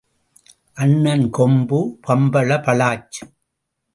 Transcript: அண்ணன் கொம்பு பம்பள பளாச்சு.